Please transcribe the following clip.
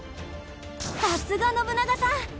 さすが信長さん！